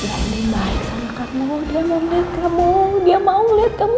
mbak andien baik sama kamu dia mau liat kamu dia mau liat kamu